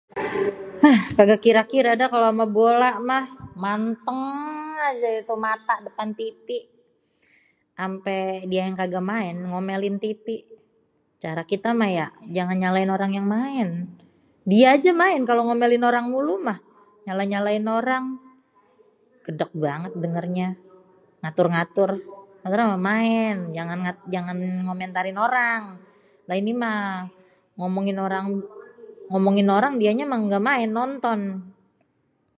ééé kaga kira-kira dah kalo ama bola mah mantèng aja itu mata depan tv, ampè diè yang kaga maen diè ngomèlin tv, cara kita mah ya jangan nyalahin orang yang maèn, diè ajè yang maèn kalo ngomèlin orang mulu mah nyalah-nyalahin orang, gèdèg banget dengèr nyè, ngatur-ngatur padahal mèh maèn jangan, jangan ngomentarin orang lah ini mah ngomongin orang, ngomongin orang maèn diènyè maèn nonton.